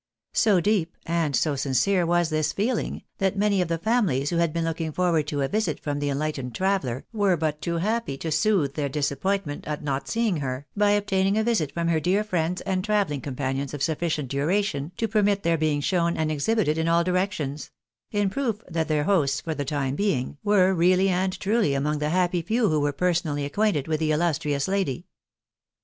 So deep, and so sincere was this feeling, that many of the famihes who had been looking forward to a visit from the enhghtened traveller, were but too happy to soothe their disap pointment at not seeing her, by obtaining a visit from her dear friends and travelling companions of sufficient duration to permit their being shown and exhibited in all directions ; in proof that their hosts, for the time being, were really and truly among the N 210 THE BAEJTAJilS IJX AMKiatjA, happy few wlio were personally acquainted with the illustrious lady.